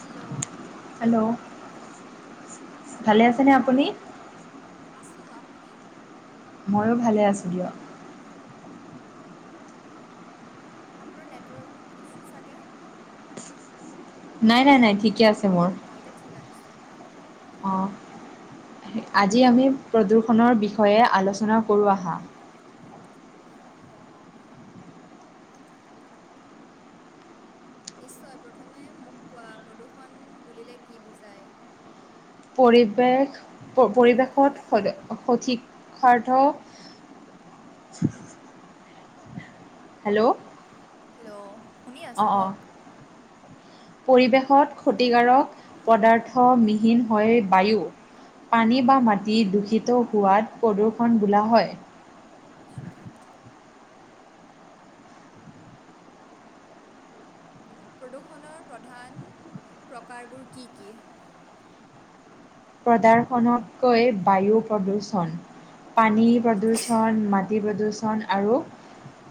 Hello, hello, ভালে আছেনে অপুনি? আছো। আপোনি? ময়ো ভালে আছো দিয়ক। আপোনাৰ নেটৱৰ্ক ইছ্যু চাগে? নাই। নাই। নাই। ঠিকে আছে। মোৰ অ', এতিয়া ঠিক আছে। অ', আজি আমি প্ৰদূৰষণৰ বিষয়ে আলোচনা কৰো আহা। অ', নিশ্চয় প্ৰথমে মোক কোৱা প্ৰদূৰ্ষণ বুলিলে কি বুজায়? পৰিৱেশ পৰিৱেশত স সঠিক সাৰ্থ হেল্ল', হেল্ল', শুনি অ', আছোঁ অ, কওক। পৰিৱেশত পদাৰ্থবিহীন হয় বায়ু। পানী বা মাটি দূষিত হোৱাত প্ৰদূৰ্ষণ বোলা হয়। আচ্ছা', প্ৰদূৰ্ষণৰ প্ৰধান প্ৰকাৰবোৰ কি কি? প্ৰদাশনতকৈ বায়ু প্ৰদূষণ, পানীৰ প্ৰদূষণ, [unintelligible] [unintelligible] আৰু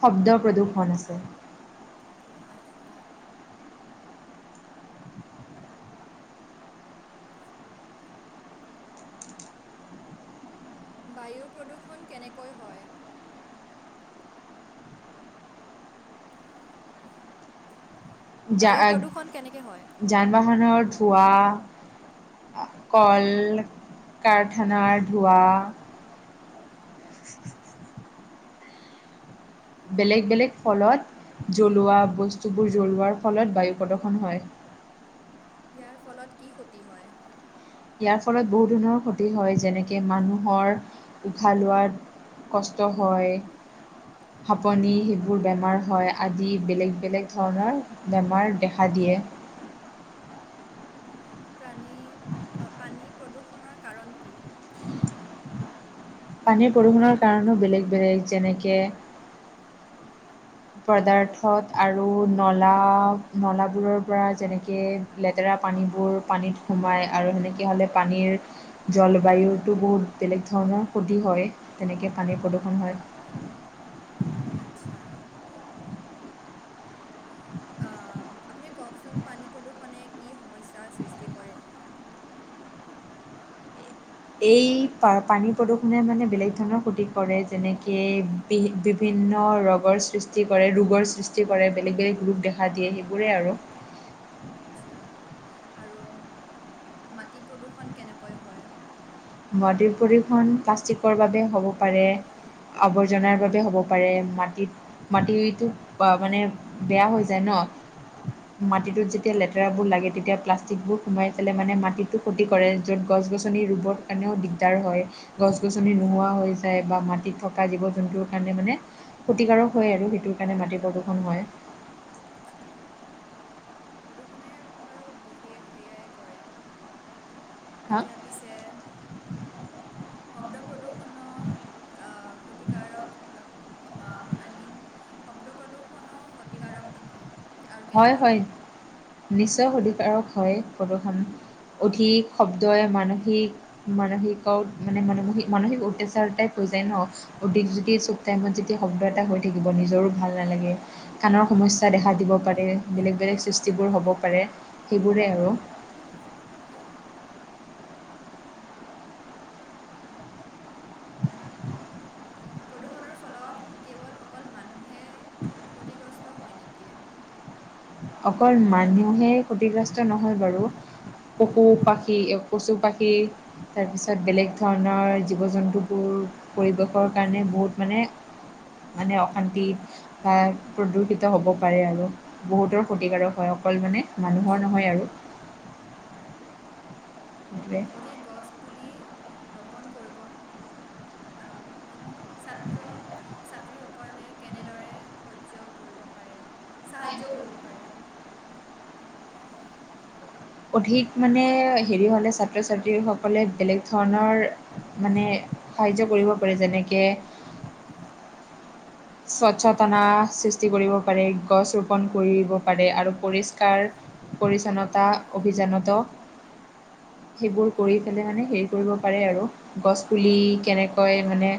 শব্দ প্ৰদূষণ আছে। আচ্ছা', বায়ু প্ৰদূৰষণ কেনেকৈ হয়। বায়ু প্ৰদূষণ কেনেকে হয়? যান বাহনৰ ধোৱা, কল কাৰথানাৰ ধোৱা। বেলেগ বেলেগ ফলত জ্বলোৱা বস্তুবোৰ জ্বলোৱাৰ ফলত বায়ু প্ৰদূ্ষণ হয়। ইয়াৰ ফলত কি ক্ষতি হয়? ইয়াৰ ফলত বহু ধৰণৰ ক্ষতি হয়। যেনেকে মানুহৰ উঘাহ লোৱাত কষ্ট হয়। সেইবোৰ বেমাৰ হয়, আদি বেলেগ বেলেগ ধৰণৰ বেমাৰ দিয়ে দেখা। প্ৰাণী পানী প্ৰদূষণৰ কাৰণ কি? পানীৰ প্ৰদূষণৰ কাৰণে বেলেগ বেলেগ যেনেকৈ পদাৰ্থত আৰু নলা নলাবোৰৰ পৰা যেনেকে লেতেৰা পানীবোৰ পানীত সোমায় আৰু সেনেকৈ হ'লে পানীৰ জলবায়ুতো বহুত বেলেগ ধৰণৰ ক্ষতি হয় তেনেকৈ পানীৰ প্ৰদূষণ হয়। আচ্ছা। অম, আপুনি কওকচোন পানী প্ৰদূষণে কি সমস্যাৰ সৃষ্টি কৰে? এই প-পানীত প্ৰদূষণে মানে বেলেগ ধৰণৰ ক্ষতি কৰে, যেনেকে বি-বিভিন্ন ৰগৰ সৃষ্টি সৃষ্টি কৰে, ৰোগৰ সৃষ্টি কৰে, বেলেগ বেলেগ ৰোগ দেখা দিয়ে সেইবোৰে আৰু। আচ্ছা আৰু মাটি প্ৰদূষণ কেনেকৈ হয়? মাটি প্ৰদূষণ প্লাষ্টিকৰ বাবে হ'ব পাৰে। আৱৰ্জনাৰ বাবে হ'ব পাৰে, মাটিত মাটি ইটো, মানে বেয়া হৈ যায় ন। মাটিটোত যেতিয়া হয় লেতেৰাবোৰ লাগে, তেতিয়া প্লাছ টিকবোৰ সোমাই পেলাই মানে মাটিটো ক্ষতি কৰে, য'ত গছ গছনি ৰুবৰ কাৰণেও দিগদাৰ হয়। গছ গছনি নোহোৱা হৈ যায় বা মাটিত থকা জীৱ জন্তুৰ কাৰণে মানে ক্ষতিকাৰক হয় আৰু সেইটোৰ কাৰণে মাটি প্ৰদূষণ হয়। আচ্ছা। প্ৰদূষণে বাৰু বিশেষ সেয়াই কৰে, হা এতিয়া পিছে শব্দ প্ৰদূষণৰ আ, ক্ষতিকাৰক আ শ অ', আই মিন শব্দ প্ৰদূষণো ক্ষতিকাৰক নেকি? আৰু কেনে হয় বাবে হয়, নিশ্চয় ক্ষতিকাৰক হয় প্ৰদূষণ। অধিক শব্দই মানসিক মানসিক মানে মান-মানসিক অত্যাচাৰ টাইপ হৈ যায় ন। অধিক যদি চব টাইমত যেতিয়া শব্দ এটা হৈ থাকিব নিজৰো ভাল নালাগে। কাণৰ সমস্যা দেখা দিব পাৰে, বেলেগ বেলেগ সৃষ্টিবোৰ হ'ব পাৰে সেইবোৰে আৰু। প্ৰদূষণৰ ফলত কেৱল অকল মানুহে ক্ষতিগ্ৰস্ত হয় নেকি? অকল মানুহে ক্ষতিগ্ৰস্ত নহয় বাৰু। পশু পাখি এ, পশু পাখি তাৰপিছত বেলেগ ধৰণৰ জীৱ জন্তুবোৰ পৰিৱেশৰ কাৰণে বহুত মানে মানে অশান্তি বা প্ৰদূষিত হ'ব পাৰে আৰু বহুতৰ ক্ষতিকাৰক হয়, অকল মানে মানুহৰ আচ্ছা নহয় আৰু অ'। [unintelligible] অধিক গছ পুলি ৰপণ কৰিব, আ মিন ছাত্ৰ-ছাত্ৰীসকলে কেনেদৰে সহ্য কৰিব পাৰে? সাহাৰ্য কৰিব পাৰে। অধিক মানে হেৰি হলে ছাত্ৰ-ছাত্ৰীসকলে বেলেগ ধৰণৰ মানে সাহাৰ্য কৰিব পাৰে, যেনেকে স্বচতনা সৃষ্টি কৰিব পাৰে, গছ ৰো পণ কৰিব পাৰে আৰু পৰিষ্কাৰ পৰিচ্ছন্নতা অভিযানত সেইবোৰ কৰি পেলাই মানে হেৰি কৰিব পাৰে আৰু। গছপুলি কেনেকৈ মানে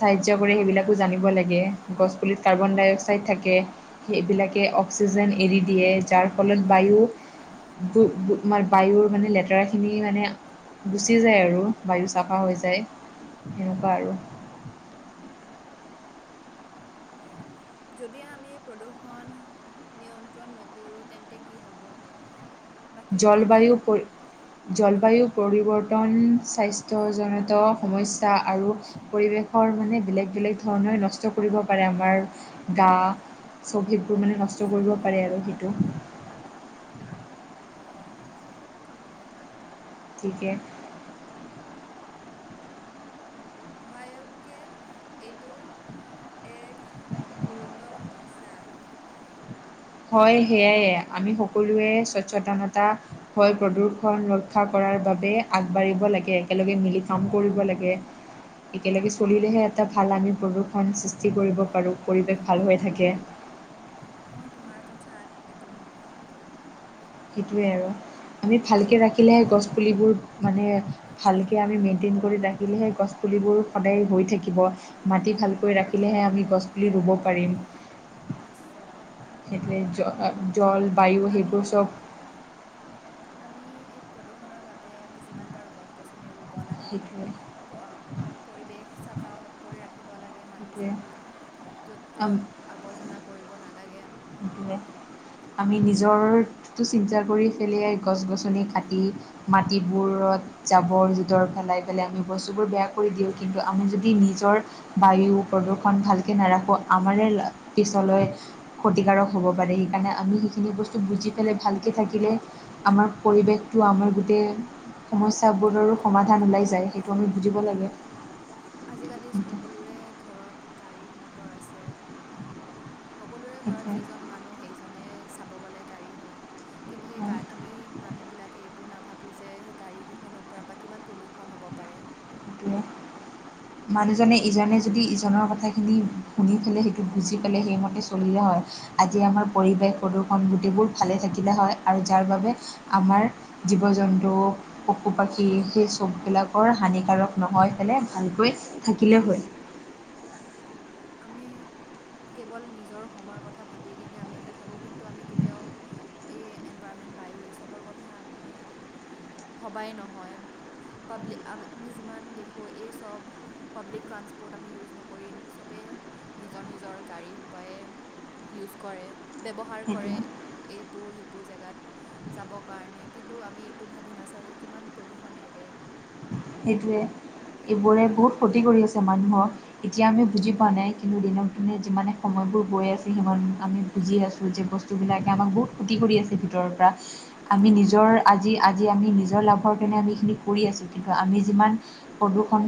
সাহাৰ্য কৰে সেইবিলাকো জানিব লাগে। গছপুলিত কাৰ্বন ডাই অক্সাইড থাকে। সেইবিলাকে অক্সিজেন এৰি দিয়ে যাৰ ফলত বায়ু বো বো মাৰ বায়ুৰ মানে লেতেৰাখিনি মানে গুচি যায় আৰু চাফা হৈ যায়, সেনেকুৱা আৰু। যদি আমি প্ৰদূষণ নিয়ন্ত্ৰণ নকৰোঁ, তেন্তে কি হ'ব? বা কি হ'ব পাৰে জলবায়ু পৰি জলবায়ু পৰিৱৰ্তন স্বাস্থ্যজনিত সমস্যা আৰু পৰিৱেশৰ মানে বেলেগ বেলেগ ধৰণৰে নষ্ট কৰিব পাৰে আমাৰ গা চব সেইবোৰ মানে নষ্ট কৰিব পাৰে আৰু সেইটো। অ'। ঠিকে। ঠিকে। সহায়কে এইটো এক গুৰুতৰ সমস্যা। হয় সেয়াইয়ে আমি সকলোৱে স্বচ্ছতনতা হয় প্ৰদূৰষণ ৰক্ষা কৰাৰ বাবে আগবাঢ়িব লাগে, একেলগে মিলি কাম কৰিব লাগে। একেলগে চলিলেহে এটা ভাল আমি প্ৰদূষণ সৃষ্টি কৰিব পাৰোঁ, পৰিৱেশ ভাল হৈ থাকে। মই তোমাৰ কথাত একমত। সেইটোৱে আৰু আমি এগ্ৰী ভালকে কৰোঁ ৰাখিলে গছপুলিবোৰ মানে, ভালকে আমি মেইন্টেইন কৰি ৰাখিলেহে গছপুলিবোৰ সদায় হৈ থাকিব। মাটি ভালকৈ ৰাখিলেহে আমি গছপুলি ৰুব পাৰিম। নিশ্চয়। সেইটোৱে, জ-জল বায়ু আমি সেইবোৰ চব, আমি এই প্ৰদূষণৰ বাবে আমি যিমান পাৰোঁ গছ-গছনি ৰুব লাগে। সেইটোৱে প, আ, পৰিৱেশ চাফা কৰি ৰাখিব লাগে মাটি সেইটোৱে চাটি য'ত-ত'ত আম আৱৰ্জনা কৰিব নালাগে। সেইটোৱে, আমি নিজৰটো চিন্তা কৰি খেলিয়াই গছ- গছনি কাটি মাটিবোৰত জাবৰ-জোঠৰ পেলাই, পেলাই আমি বস্তুবোৰ বেয়া কৰি দিওঁ। কিন্তু, আমি যদি হয় নিজৰ, বায়ু প্ৰদূষণ ভালকে নাৰাখো, আমাৰে পিছলৈ ক্ষতিকাৰক হ'ব পাৰে, সেইকাৰণে আমি হয় সেইখিনি বস্ত তু বুজি পেলাই ভালকে থাকিলে, আমাৰ পৰিৱেশটো আমাৰ গোটেই সমস্যাবোৰৰো সমাধান ওলাই যায়। সেই সেইটোৱে। আজিকালি চ সেইটোৱে সকলোৰে ঘৰত গাড়ী মটৰ আছে। সকলোৰে ঘৰত যেইজন মানুহ, সেইজনে চাব গ'লে গাড়ী হয়। কিন্তু সেই গা হয় আমি মানুহবিলাকে এইবোৰ নাভাবোঁ যে, সেই গাড়ীকেইখনৰ পৰা বা কিমান প্ৰদূষণ হ'ব পাৰে? সেইটোৱে মানুহজনে ইজনে যদি ইজনৰ কথাখিনি শুনি পেলাই সেইটো বুজি পেলাই সেইমতে চলিলে হয়। আজি আমাৰ পৰিৱেশ প্ৰদূষন গোটেইবোৰ ভালে থাকিলে হয়, আৰু যাৰ বাবে সেইটোৱে আমাৰ জীৱ-জন্তু পশু-পক্ষী সেই চববিলাকৰ হানিকাৰক নহয় পেলে ভালকৈ হয়, থাকিলে হয় হয়। আমি কেৱল নিজৰ সময়ৰ কথা ভাবি কিনে আমি এনেকে থাকোঁ। কিন্তু, আমি কেতিয়াও এই এনভাইৰমেণ্ট, বায়ু এই চবৰ কথা আমি ভবাই নহয়। পাব্লিক আমি আমি যিমান দেখোঁ, এই চ চব, পাব্লিক ট্ৰান্সপৰ্ট আমি ইউজ নকৰিম, চবেই নিজৰ নিজৰ গাড়ী সোপায়ে ইউজ কৰে, ব্যৱহাৰ কৰে। সেইটোৱে এইটো, সেইটো জাগাত। যাবৰ কাৰণে কিন্তু, আমি এইটো ভাবি নাচাওঁ যে কিমান প্ৰদূষণ এৰে। সেইটোৱে, এইবোৰে বহুত ক্ষতি কৰি আছে মানুহক। এতিয়া আমি বুজি হয় পোৱা নাই। কিন্তু, দিনক দিনে যিমানে সময়বোৰ গৈ আছে, সিমান আমি বুজি আছোঁ। যে বস্তুবিলাকে আমাক বহুত ক্ষতি কৰি আছে ভিতৰৰ পৰা। আমি হয় নিজৰ আজি, আজি আমি নিজৰ লাভৰ কাৰণে আমি এইখিনি কৰি আছোঁ। কিন্তু, আমি যিমান প্ৰদূষণ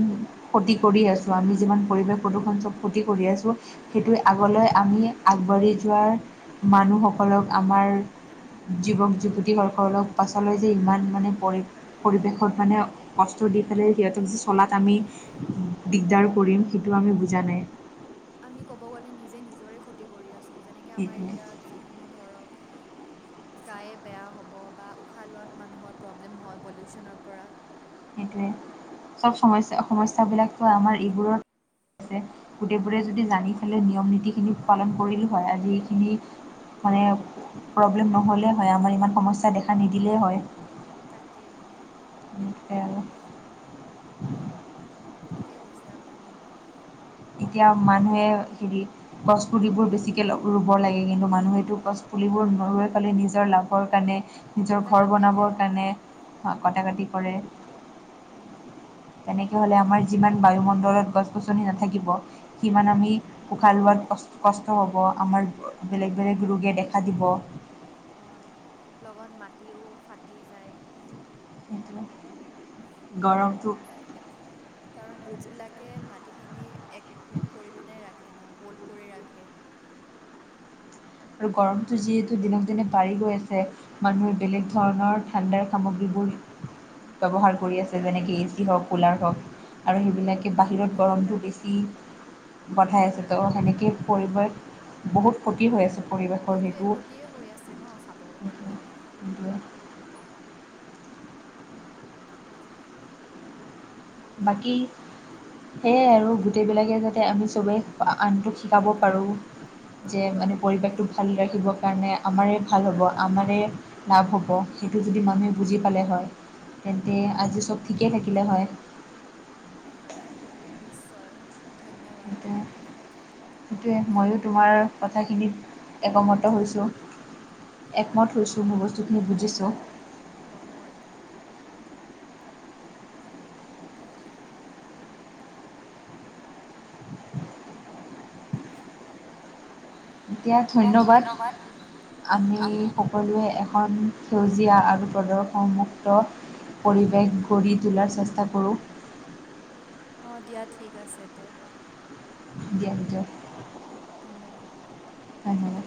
ক্ষতি কৰি আছো। আমি যিমান পৰিৱেশ প্ৰদূষণ চব ক্ষতি কৰি আছো। সেইটোৱে আগলৈ আমি আগবাঢ়ি যোৱাৰ মানুহসকলক আমাৰ যুৱক যুৱতী সকলক পাছলৈ যে ইমান মানে পৰি পৰিৱেশত মানে কষ্ট দি পেলাই সিহঁতক যে চলাত আমি দিগদাৰ কৰিম, সেইটো আমি বুজা নাই। আমি ক'ব গ'লে নিজে নিজৰে ক্ষতি কৰি আছো। যেনেকে আমাৰ সেইটোৱে এতিয়া যিকোনো ধৰক গায়ে বেয়া হ'ব বা উশাহ লোৱাত মানুহৰ প্ৰব্লেম হয়, পলিউচনৰ পৰা। সেইটোৱে, চব সমস্যা, সমস্যাবিলাকটো আমাৰ এইবোৰে আছে গোটেইবোৰে যদি জানি পেলাই নিয়ম নীতিখিনি পালন কৰিলো হয়, আজি এইখিনি মানে প্ৰব্লেম নহ'লে হয়। আমাৰ ইমান সমস্যাই দেখা নিদিলে হয়। তাকে। সেয়াই আৰু। ঠিকেই কৈছে আপুনি। এতিয়া মানুহে যদি গছ পুলিবোৰ বেছিকৈ লব ৰুব লাগে। কিন্তু, মানুহেটো গছ পুলিবোৰ নোৰুই পেলাই, নিজৰ লাভৰ কাৰণে নিজৰ উল্টা ঘৰ কাটেহে বনাবৰ কাৰণে কটা কটি কৰে। উম। তেনেকৈ হ'লে আমাৰ যিমান বায়ুমণ্ডলত গছ গছনি নাথাকিব, সিমান আমি উশাহ লোৱাত ক কষ্ট হ'ব, আমাৰ বেলেগ বেলেগ ৰোগে দেখা দিব। হয়, লগত মাটিও ফাটি যায়। সেইটোৱে, গৰমটো কাৰণ ৰুটছবিলাকে মাটিখিনি এক গোট কৰি পিনে ৰাখে ন, হোল্ড কৰি ৰাখে। আৰু গৰমটো যিহেতু দিনক দিনে বাঢ়ি গৈ আছে। মানুহে বেলেগ ধৰণৰ ঠাণ্ডাৰ সামগ্ৰীবোৰ ব্যৱহাৰ কৰি আছে, যেনেকে এ চি হওক, কুলাৰ হওক। আৰু সেইবিলাকে বাহিৰত কিন্তু গৰমটো সেইবিলাক বেছি, পঠাই আছেটো সেনেকৈ পৰিৱেশৰ বহুত ক্ষতি হৈ আছে। পৰিৱেশৰ সেইটোৱে সেইটো ক্ষতিয়ে হৈ আছে ন' চাব গ'লে। উম। বাকী, সেয়াই আৰু গোটেইবিলাকে যাতে দিয়ক আমি চবেই আনটোক শিকাব পাৰো যে হয় মানে পৰিৱেশটো ভাল ৰাখিবৰ কাৰণে আমাৰে ভাল হ'ব, আমাৰে লাভ হ'ব, সেইটো যদি মানুহে বুজি পালে হয়, তেন্তে আজি চব ঠিকেই থাকিলে হয়। নিশ্চয়, ধন্যবাদ। সেইটোৱে সেইটোৱে, মইয়ো তোমাৰ কথাখিনিত একমত হৈছো। একমত হৈছো, মই বস্তুখিনি বুজিছো। অ' মইও। এতিয়া ধন্যবাদ। আমি সকলোৱে এখন সেউজীয়া আৰু প্ৰদৰ্শনমুক্ত পৰিৱেশ গঢ়ি তোলাৰ চেষ্টা কৰো। অঁ দিয়া ঠিক আছে তে। দিয়া, দিয়া। উম ধন্যবাদ। ধন্যবাদ।